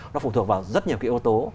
nó phụ thuộc vào rất nhiều cái yếu tố